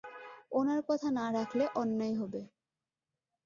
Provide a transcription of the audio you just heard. ওনার কথা না রাখলে অন্যায় হবে।